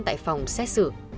tại phòng xét xử